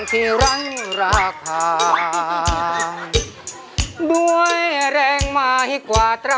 เพลงนี้อยู่ในอาราบัมชุดแจ็คเลยนะครับ